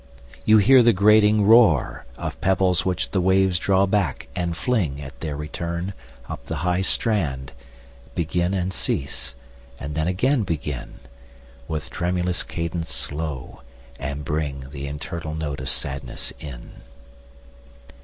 you hear the grating roarOf pebbles which the waves draw back, and fling, At their return, up the high strand, Begin, and cease, and then again begin, With tremulous cadence slow, and bringThe eternal note of sadness in.